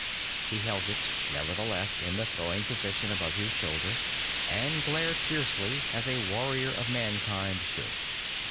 He held it nevertheless in the throwing position above his shoulder and glared fiercely, as a warrior of Mankind should.